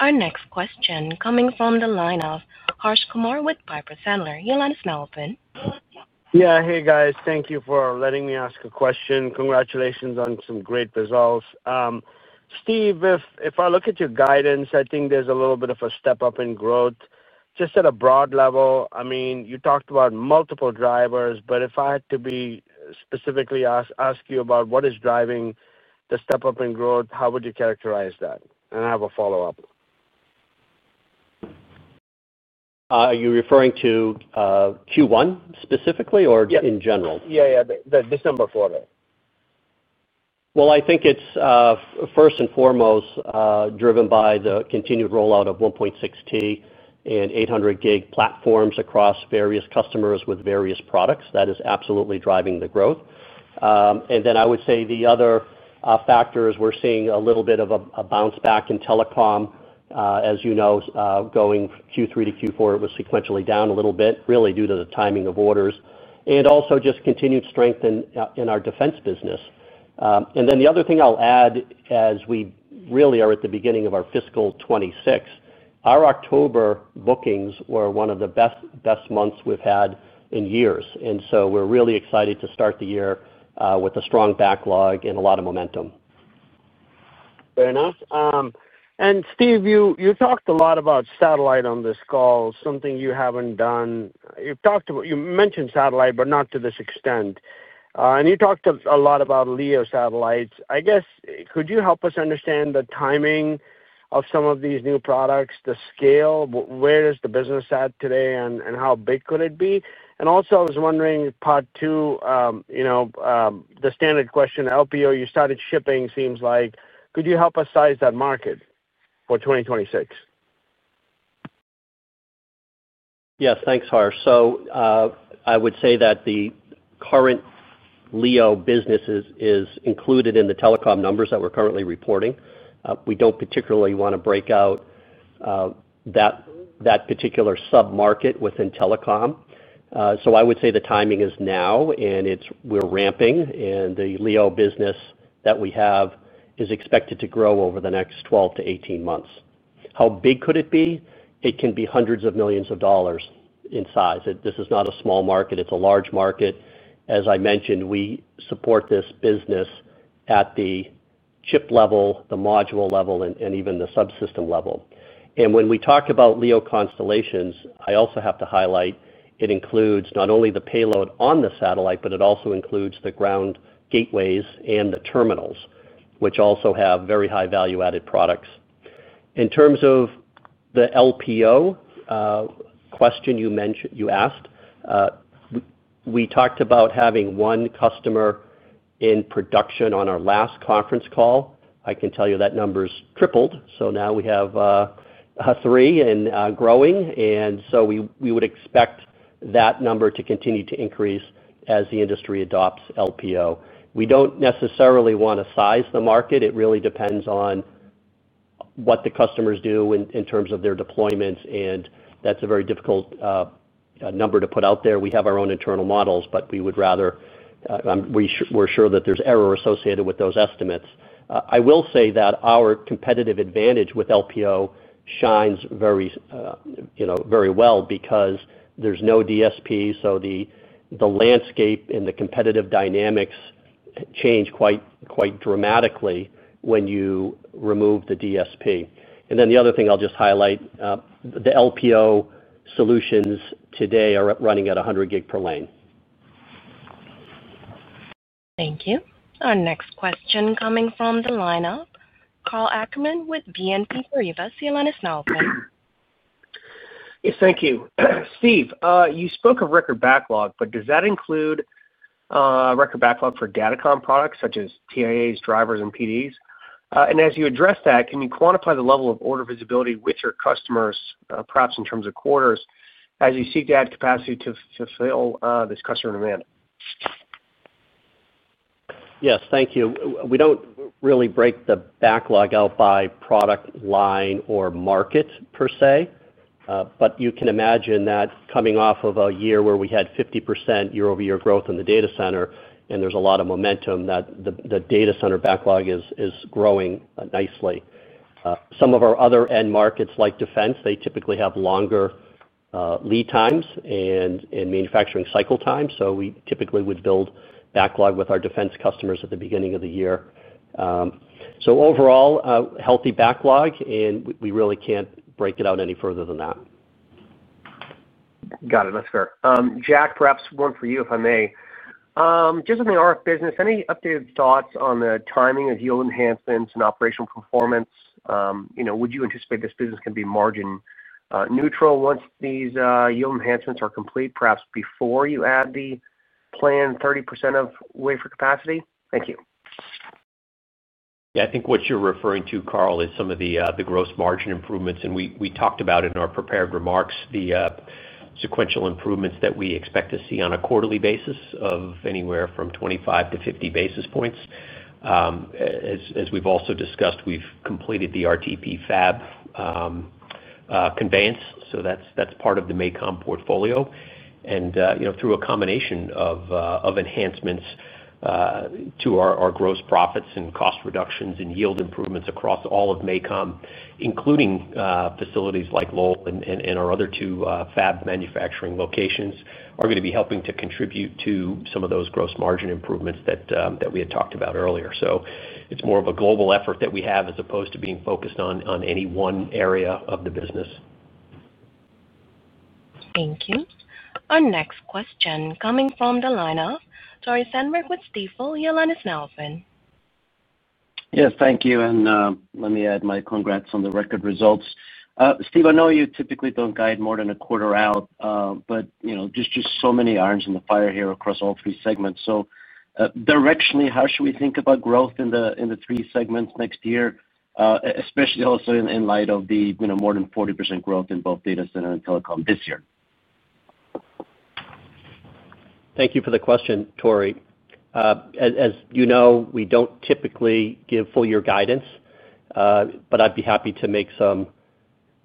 Our next question coming from the line of Harsh Kumar with Piper Sandler. Your line is now open. Yeah. Hey, guys. Thank you for letting me ask a question. Congratulations on some great results. Steve, if I look at your guidance, I think there is a little bit of a step-up in growth. Just at a broad level, I mean, you talked about multiple drivers, but if I had to specifically ask you about what is driving the step-up in growth, how would you characterize that? I have a follow-up. Are you referring to Q1 specifically or just in general? Yeah. Yeah. This number for it. I think it's first and foremost driven by the continued rollout of 1.6T and 800 gig platforms across various customers with various products. That is absolutely driving the growth. I would say the other factor is we're seeing a little bit of a bounce back in telecom, as you know, going Q3 to Q4. It was sequentially down a little bit, really due to the timing of orders. Also, just continued strength in our defense business. The other thing I'll add, as we really are at the beginning of our fiscal 2026, our October bookings were one of the best months we've had in years. We're really excited to start the year with a strong backlog and a lot of momentum. Fair enough. Steve, you talked a lot about satellite on this call, something you haven't done. You mentioned satellite, but not to this extent. You talked a lot about LEO satellites. I guess, could you help us understand the timing of some of these new products, the scale? Where is the business at today, and how big could it be? I was wondering, part two. The standard question, LPO, you started shipping, seems like. Could you help us size that market for 2026? Yes. Thanks, Harsh. I would say that the current LEO business is included in the telecom numbers that we're currently reporting. We do not particularly want to break out that particular sub-market within telecom. I would say the timing is now, and we're ramping. The LEO business that we have is expected to grow over the next 12 months-18 months. How big could it be? It can be hundreds of millions of dollars in size. This is not a small market. It is a large market. As I mentioned, we support this business at the chip level, the module level, and even the subsystem level. When we talk about LEO constellations, I also have to highlight it includes not only the payload on the satellite, but it also includes the ground gateways and the terminals, which also have very high value-added products. In terms of the LPO question you asked, we talked about having one customer in production on our last conference call. I can tell you that number's tripled. Now we have three and growing, and we would expect that number to continue to increase as the industry adopts LPO. We do not necessarily want to size the market. It really depends on what the customers do in terms of their deployments, and that is a very difficult number to put out there. We have our own internal models, but we would rather. We're sure that there's error associated with those estimates. I will say that our competitive advantage with LPO shines very well because there's no DSP. The landscape and the competitive dynamics change quite dramatically when you remove the DSP. The other thing I'll just highlight, the LPO solutions today are running at 100 gig per lane. Thank you. Our next question coming from the lineup, Karl Ackerman with BNP Paribas. Yolanis, now open. Thank you. Steve, you spoke of record backlog, but does that include record backlog for data comm products such as TIAs, drivers, and PDs? As you address that, can you quantify the level of order visibility with your customers, perhaps in terms of quarters, as you seek to add capacity to fulfill this customer demand? Yes. Thank you. We don't really break the backlog out by product line or market per se. But you can imagine that coming off of a year where we had 50% year-over-year growth in the data center, and there's a lot of momentum, that the data center backlog is growing nicely. Some of our other end markets, like defense, they typically have longer lead times and manufacturing cycle times. We typically would build backlog with our defense customers at the beginning of the year. Overall, healthy backlog, and we really can't break it out any further than that. Got it. That's fair. Jack, perhaps one for you, if I may. Just in the RF business, any updated thoughts on the timing of yield enhancements and operational performance? Would you anticipate this business can be margin-neutral once these yield enhancements are complete, perhaps before you add the planned 30% of wafer capacity? Thank you. Yeah. I think what you're referring to, Karl, is some of the gross margin improvements. And we talked about it in our prepared remarks, the sequential improvements that we expect to see on a quarterly basis of anywhere from 25 to 50 basis points. As we've also discussed, we've completed the RTP fab conveyance. So that's part of the MACOM portfolio. And through a combination of enhancements to our gross profits and cost reductions and yield improvements across all of MACOM, including facilities like Lowell and our other two fab manufacturing locations, are going to be helping to contribute to some of those gross margin improvements that we had talked about earlier. It is more of a global effort that we have as opposed to being focused on any one area of the business. Thank you. Our next question coming from the lineup, Torrey Sandler with Stifel. Your line is now open. Yes. Thank you. Let me add my congrats on the record results. Steve, I know you typically do not guide more than a quarter out, but just so many irons in the fire here across all three segments. Directionally, how should we think about growth in the three segments next year, especially also in light of the more than 40% growth in both data center and telecom this year? Thank you for the question, Torrey. As you know, we do not typically give full-year guidance. I would be happy to make some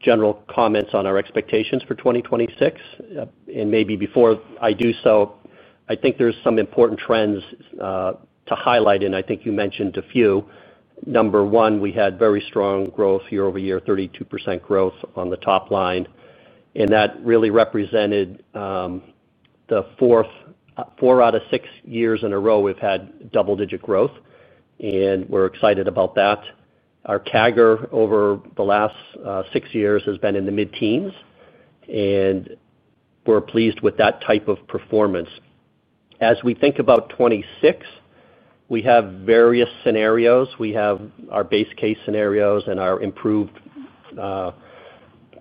general comments on our expectations for 2026. Maybe before I do so, I think there are some important trends to highlight, and I think you mentioned a few. Number one, we had very strong growth year-over-year, 32% growth on the top line. That really represented the fourth. Four out of six years in a row we've had double-digit growth. We're excited about that. Our CAGR over the last six years has been in the mid-teens. We're pleased with that type of performance. As we think about 2026, we have various scenarios. We have our base case scenarios and our improved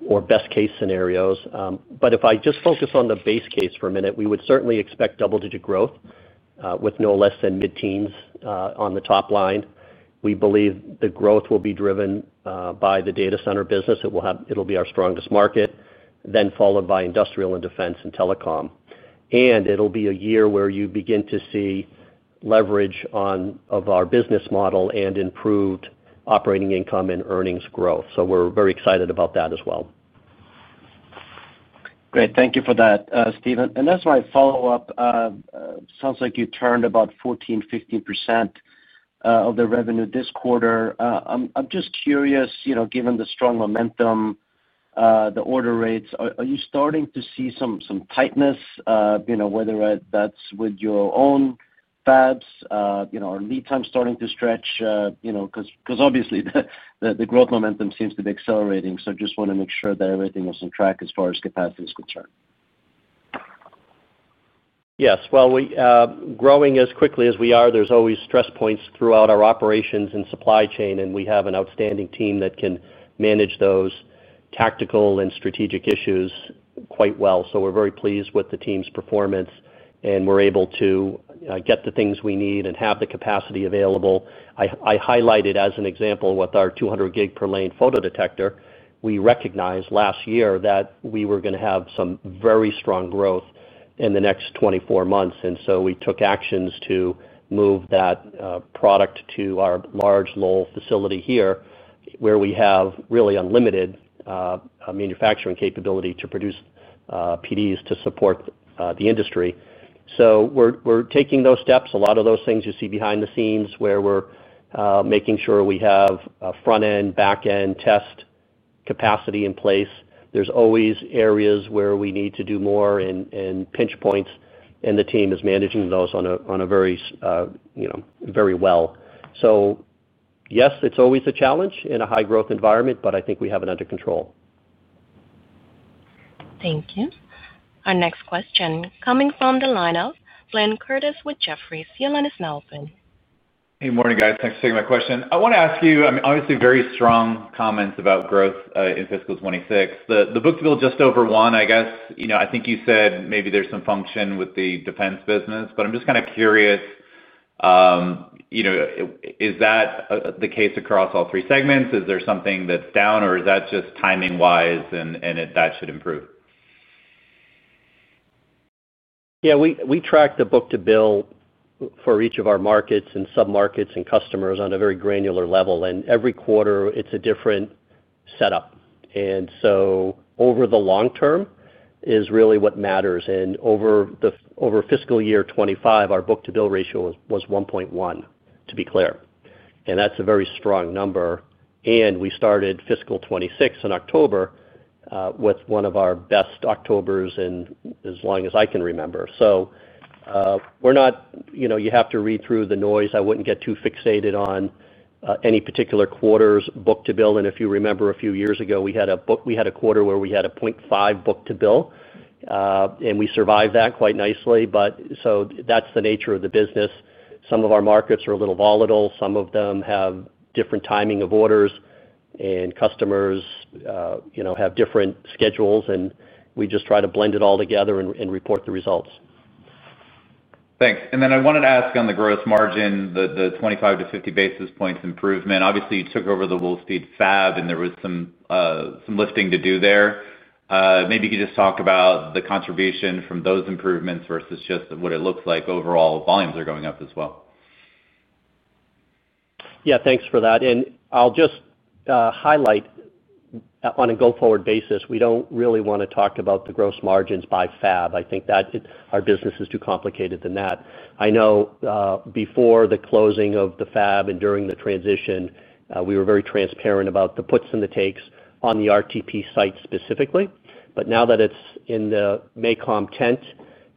or best case scenarios. If I just focus on the base case for a minute, we would certainly expect double-digit growth with no less than mid-teens on the top line. We believe the growth will be driven by the data center business. It'll be our strongest market, followed by industrial and defense and telecom. It'll be a year where you begin to see leverage on our business model and improved operating income and earnings growth. We're very excited about that as well. Great. Thank you for that, Steven. That is my follow-up. It sounds like you turned about 14-15% of the revenue this quarter. I am just curious, given the strong momentum, the order rates, are you starting to see some tightness, whether that is with your own fabs or lead times starting to stretch? Because obviously, the growth momentum seems to be accelerating. I just want to make sure that everything is on track as far as capacity is concerned. Yes. Growing as quickly as we are, there are always stress points throughout our operations and supply chain. We have an outstanding team that can manage those tactical and strategic issues quite well. We are very pleased with the team's performance, and we are able to get the things we need and have the capacity available. I highlighted as an example with our 200 gig per lane photodetector. We recognized last year that we were going to have some very strong growth in the next 24 months. We took actions to move that product to our large Lowell facility here, where we have really unlimited manufacturing capability to produce PDs to support the industry. We are taking those steps. A lot of those things you see behind the scenes where we are making sure we have front-end, back-end test capacity in place. There are always areas where we need to do more and pinch points, and the team is managing those very well. Yes, it is always a challenge in a high-growth environment, but I think we have it under control. Thank you. Our next question coming from the lineup, Blayne Curtis with Jefferies. Your line is now open. Hey, morning, guys. Thanks for taking my question. I want to ask you, obviously, very strong comments about growth in fiscal 2026. The book deal just over one, I guess. I think you said maybe there's some function with the defense business. I'm just kind of curious. Is that the case across all three segments? Is there something that's down, or is that just timing-wise and that should improve? Yeah. We track the book-to-bill for each of our markets and sub-markets and customers on a very granular level. Every quarter, it's a different setup. Over the long term is really what matters. Over fiscal year 2025, our book-to-bill ratio was 1.1, to be clear. That's a very strong number. We started fiscal 2026 in October with one of our best Octobers in as long as I can remember. You have to read through the noise. I would not get too fixated on any particular quarter's book-to-bill. If you remember a few years ago, we had a quarter where we had a 0.5 book-to-bill, and we survived that quite nicely. That is the nature of the business. Some of our markets are a little volatile. Some of them have different timing of orders, and customers have different schedules. We just try to blend it all together and report the results. Thanks. I wanted to ask on the gross margin, the 25-50 basis points improvement. Obviously, you took over the Lowell Speed Fab, and there was some lifting to do there. Maybe you could just talk about the contribution from those improvements versus just what it looks like overall volumes are going up as well. Yeah. Thanks for that. I will just highlight. On a go-forward basis, we do not really want to talk about the gross margins by fab. I think our business is too complicated than that. I know. Before the closing of the fab and during the transition, we were very transparent about the puts and the takes on the RTP site specifically. Now that it is in the MACOM tent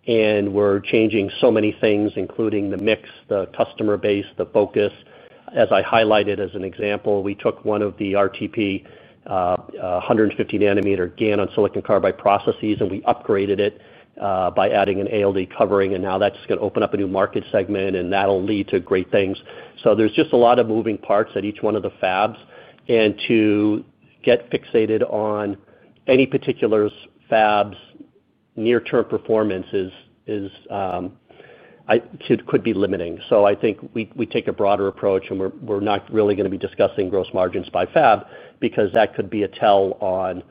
and we are changing so many things, including the mix, the customer base, the focus, as I highlighted as an example, we took one of the RTP 150-nanometer GaN on silicon carbide processes, and we upgraded it by adding an ALD covering. Now that is going to open up a new market segment, and that will lead to great things. There is just a lot of moving parts at each one of the fabs. To get fixated on any particular fab's near-term performance could be limiting. I think we take a broader approach, and we're not really going to be discussing gross margins by fab because that could be a tell on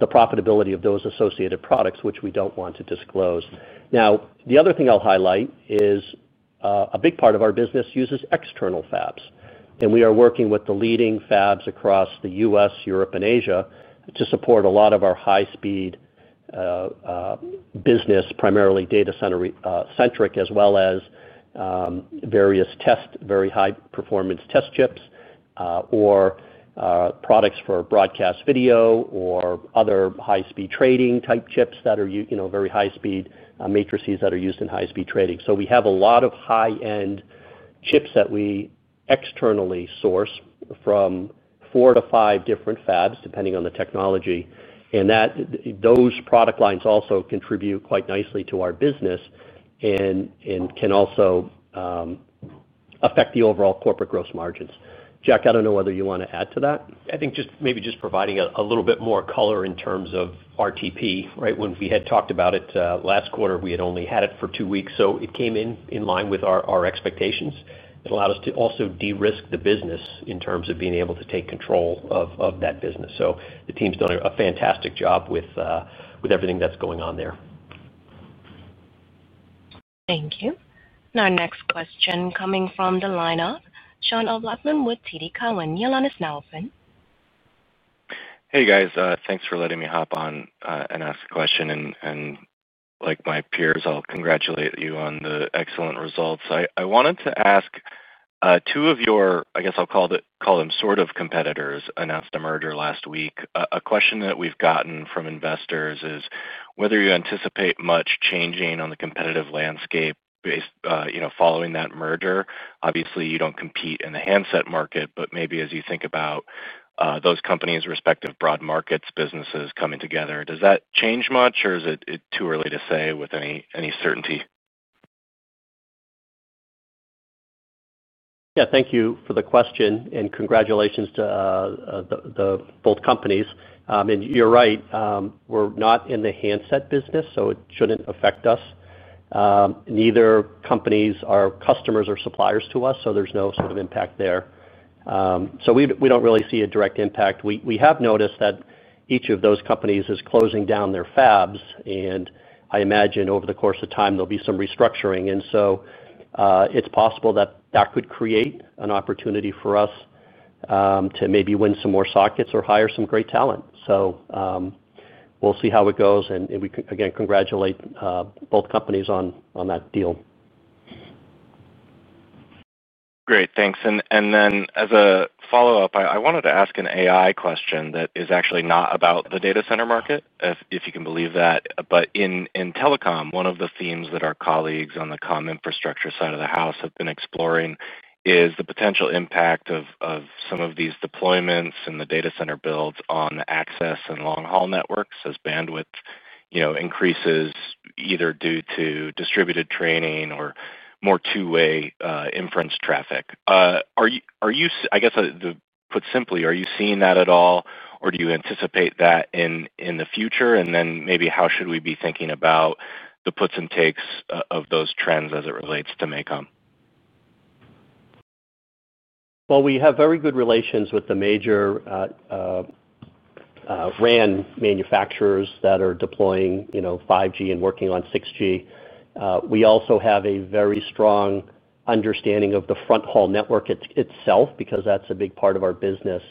the profitability of those associated products, which we don't want to disclose. The other thing I'll highlight is a big part of our business uses external fabs. We are working with the leading fabs across the U.S., Europe, and Asia to support a lot of our high-speed business, primarily data center-centric, as well as various high-performance test chips or products for broadcast video or other high-speed trading type chips that are very high-speed matrices that are used in high-speed trading. We have a lot of high-end chips that we externally source from four to five different fabs, depending on the technology. Those product lines also contribute quite nicely to our business and can also. Affect the overall corporate gross margins. Jack, I do not know whether you want to add to that. I think just maybe just providing a little bit more color in terms of RTP, right? When we had talked about it last quarter, we had only had it for two weeks. It came in line with our expectations. It allowed us to also de-risk the business in terms of being able to take control of that business. The team's done a fantastic job with everything that is going on there. Thank you. Now, our next question coming from the lineup, Sean O'Loughlin with TD Cowen. Your line is now open. Hey, guys. Thanks for letting me hop on and ask a question. Like my peers, I will congratulate you on the excellent results. I wanted to ask. Two of your, I guess I will call them sort of competitors, announced a merger last week. A question that we've gotten from investors is whether you anticipate much changing on the competitive landscape following that merger. Obviously, you don't compete in the handset market, but maybe as you think about those companies' respective broad markets, businesses coming together, does that change much, or is it too early to say with any certainty? Yeah. Thank you for the question. And congratulations to both companies. And you're right. We're not in the handset business, so it shouldn't affect us. Neither company is a customer or supplier to us, so there's no sort of impact there. We don't really see a direct impact. We have noticed that each of those companies is closing down their fabs. I imagine over the course of time, there'll be some restructuring. It's possible that that could create an opportunity for us. To maybe win some more sockets or hire some great talent. We'll see how it goes. Again, congratulate both companies on that deal. Great. Thanks. As a follow-up, I wanted to ask an AI question that is actually not about the data center market, if you can believe that. In telecom, one of the themes that our colleagues on the COM infrastructure side of the house have been exploring is the potential impact of some of these deployments and the data center builds on access and long-haul networks as bandwidth increases, either due to distributed training or more two-way inference traffic. I guess, put simply, are you seeing that at all, or do you anticipate that in the future? Maybe how should we be thinking about the puts and takes of those trends as it relates to MACOM? We have very good relations with the major RAN manufacturers that are deploying 5G and working on 6G. We also have a very strong understanding of the front-haul network itself because that's a big part of our business.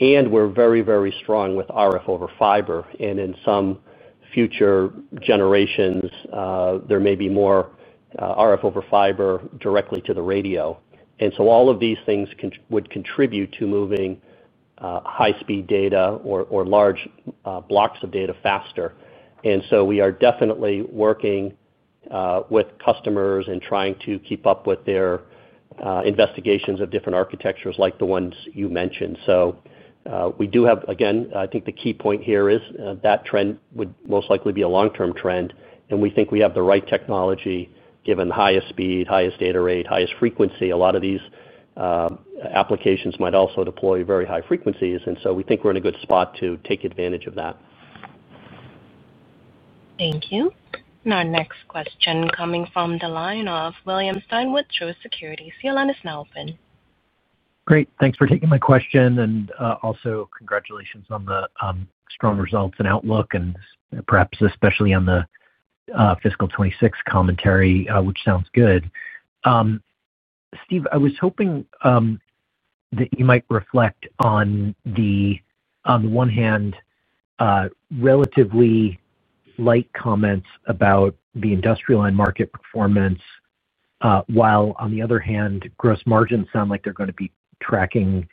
We are very, very strong with RF over fiber. In some future generations, there may be more RF over fiber directly to the radio. All of these things would contribute to moving high-speed data or large blocks of data faster. We are definitely working with customers and trying to keep up with their investigations of different architectures like the ones you mentioned. We do have, again, I think the key point here is that trend would most likely be a long-term trend. We think we have the right technology given the highest speed, highest data rate, highest frequency. A lot of these. Applications might also deploy very high frequencies. We think we're in a good spot to take advantage of that. Thank you. Our next question coming from the line of William Steinwitz, Joe Securities. Your line is now open. Great. Thanks for taking my question. Also, congratulations on the strong results and outlook, and perhaps especially on the fiscal 2026 commentary, which sounds good. Steve, I was hoping that you might reflect on the, on the one hand, relatively light comments about the industrial and market performance, while, on the other hand, gross margins sound like they're going to be tracking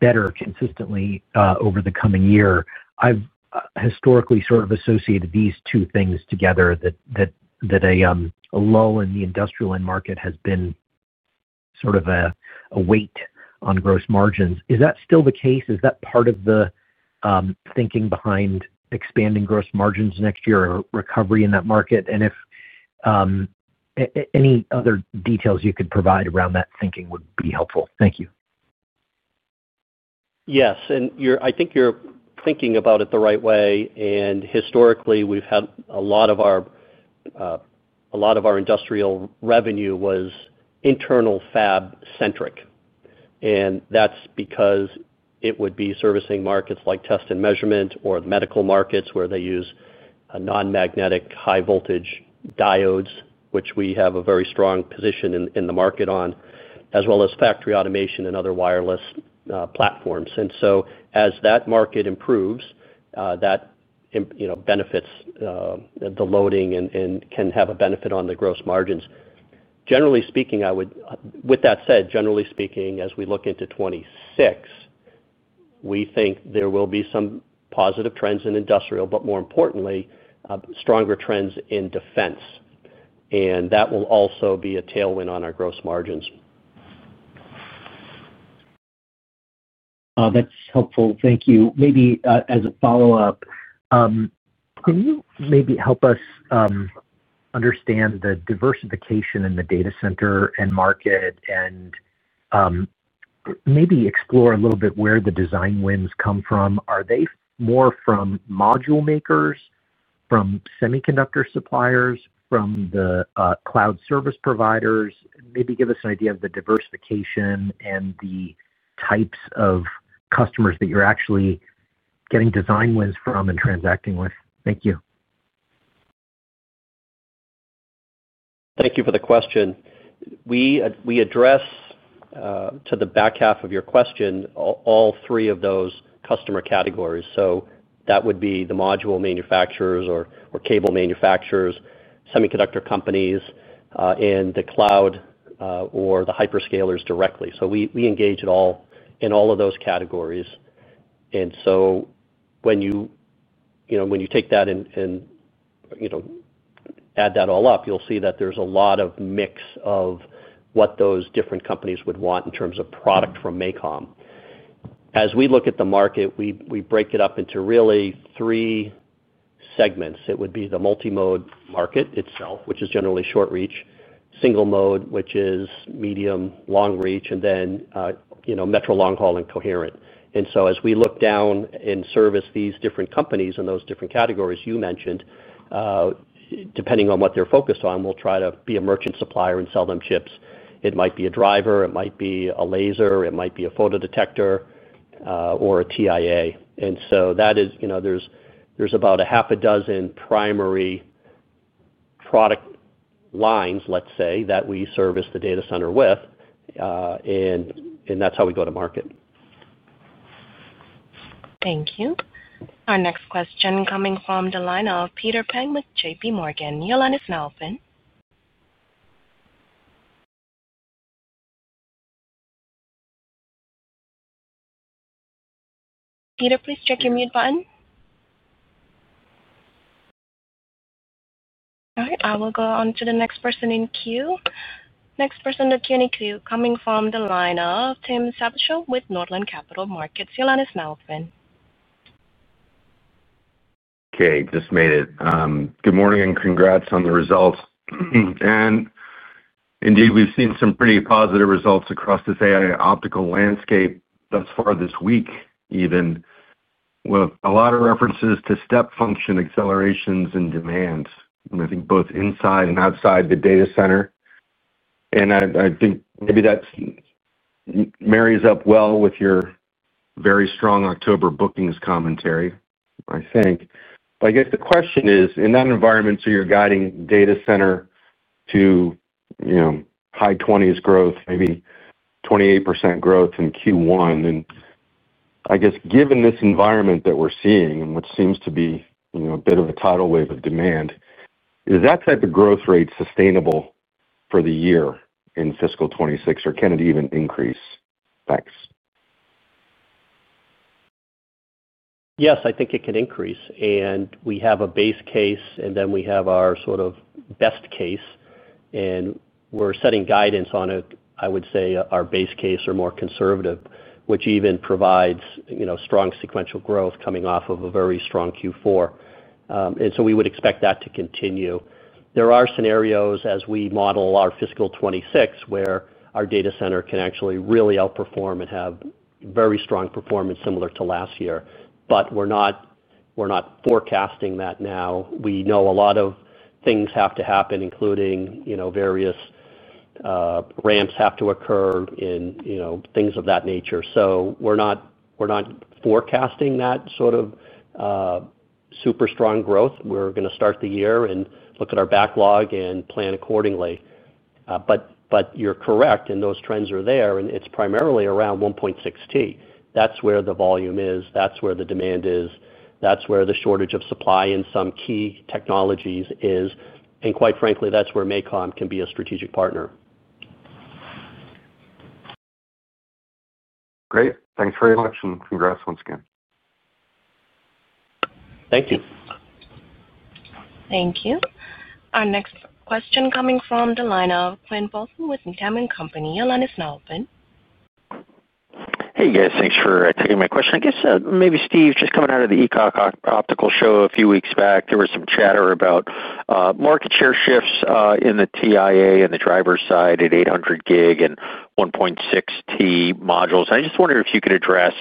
better consistently over the coming year. I've historically sort of associated these two things together, that a lull in the industrial and market has been sort of a weight on gross margins. Is that still the case? Is that part of the. Thinking behind expanding gross margins next year or recovery in that market? If any other details you could provide around that thinking would be helpful. Thank you. Yes. I think you're thinking about it the right way. Historically, we've had a lot of our industrial revenue was internal fab-centric. That is because it would be servicing markets like test and measurement or the medical markets where they use non-magnetic high-voltage diodes, which we have a very strong position in the market on, as well as factory automation and other wireless platforms. As that market improves, that benefits the loading and can have a benefit on the gross margins. Generally speaking, as we look into 2026, we think there will be some positive trends in industrial, but more importantly, stronger trends in defense. That will also be a tailwind on our gross margins. That's helpful. Thank you. Maybe as a follow-up, can you maybe help us understand the diversification in the data center end market and maybe explore a little bit where the design wins come from? Are they more from module makers, from semiconductor suppliers, from the cloud service providers? Maybe give us an idea of the diversification and the types of customers that you're actually getting design wins from and transacting with. Thank you. Thank you for the question. We address, to the back half of your question, all three of those customer categories. That would be the module manufacturers or cable manufacturers, semiconductor companies, and the cloud or the hyperscalers directly. We engage in all of those categories. When you take that and. Add that all up, you'll see that there's a lot of mix of what those different companies would want in terms of product from MACOM. As we look at the market, we break it up into really three segments. It would be the multimode market itself, which is generally short reach, single mode, which is medium, long reach, and then metro long-haul and coherent. As we look down and service these different companies in those different categories you mentioned, depending on what they're focused on, we'll try to be a merchant supplier and sell them chips. It might be a driver. It might be a laser. It might be a photodetector. Or a TIA. That is, there's about half a dozen primary product lines, let's say, that we service the data center with. That's how we go to market. Thank you. Our next question coming from the line of Peter Peng with JP Morgan. Your line is now open. Peter, please check your mute button. All right. I will go on to the next person in queue. Next person in queue coming from the line of Tim Savageaux with Northland Capital Markets. Your line is now open. Okay. Just made it. Good morning and congrats on the results. Indeed, we've seen some pretty positive results across this AI optical landscape thus far this week, even with a lot of references to step function accelerations and demands, I think both inside and outside the data center. I think maybe that marries up well with your very strong October bookings commentary, I think. I guess the question is, in that environment, so you're guiding data center to high 20s growth, maybe 28% growth in Q1. I guess given this environment that we're seeing and what seems to be a bit of a tidal wave of demand, is that type of growth rate sustainable for the year in fiscal 2026, or can it even increase? Thanks. Yes, I think it can increase. We have a base case, and then we have our sort of best case. We're setting guidance on, I would say, our base case or more conservative, which even provides strong sequential growth coming off of a very strong Q4. We would expect that to continue. There are scenarios as we model our fiscal 2026 where our data center can actually really outperform and have very strong performance similar to last year. We're not forecasting that now. We know a lot of things have to happen, including various ramps have to occur and things of that nature. We're not forecasting that sort of super strong growth. We're going to start the year and look at our backlog and plan accordingly. You're correct, and those trends are there. It's primarily around 1.6T. That's where the volume is. That's where the demand is. That's where the shortage of supply in some key technologies is. Quite frankly, that's where MACOM can be a strategic partner. Great. Thanks very much and congrats once again. Thank you. Thank you. Our next question coming from the line of Quinn Bolton with Needham and Company. Your line is now open. Hey, guys. Thanks for taking my question. I guess maybe, Steve, just coming out of the ECOC Optical show a few weeks back, there was some chatter about market share shifts in the TIA and the driver side at 800 gig and 1.6T modules. I just wondered if you could address.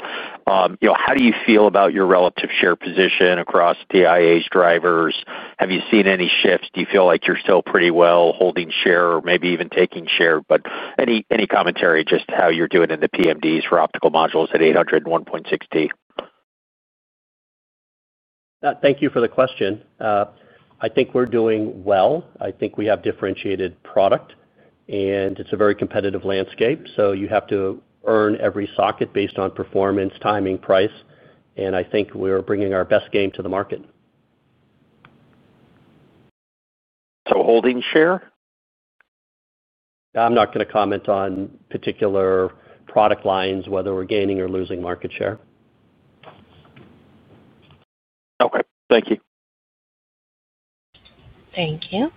How do you feel about your relative share position across TIAs drivers? Have you seen any shifts? Do you feel like you're still pretty well holding share or maybe even taking share? Any commentary just how you're doing in the PMDs for optical modules at 800 and 1.6T? Thank you for the question. I think we're doing well. I think we have differentiated product, and it's a very competitive landscape. You have to earn every socket based on performance, timing, price. I think we're bringing our best game to the market. Holding share? I'm not going to comment on particular product lines, whether we're gaining or losing market share. Thank you. Thank you.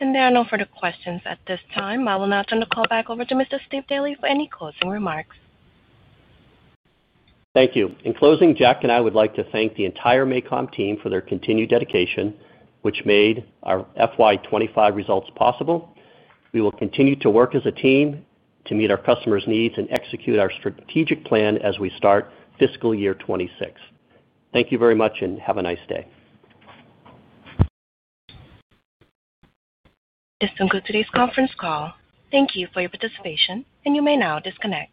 There are no further questions at this time. I will now turn the call back over to Mr. Steve Daly for any closing remarks. Thank you. In closing, Jack and I would like to thank the entire MACOM team for their continued dedication, which made our FY25 results possible. We will continue to work as a team to meet our customers' needs and execute our strategic plan as we start fiscal year 2026. Thank you very much and have a nice day. This concludes today's conference call. Thank you for your participation, and you may now disconnect.